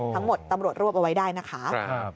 ทั้งหมดตำรวจรวบเอาไว้ได้นะคะ